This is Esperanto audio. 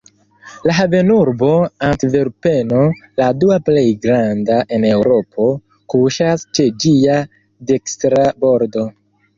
La havenurbo Antverpeno, la dua plej granda en Eŭropo, kuŝas ĉe ĝia dekstra bordo.